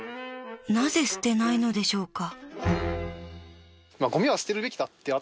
［なぜ捨てないのでしょうか］